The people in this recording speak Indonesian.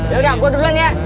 ya udah aku duluan ya